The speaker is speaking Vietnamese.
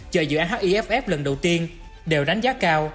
chờ dự án hiff lần đầu tiên đều đánh giá cao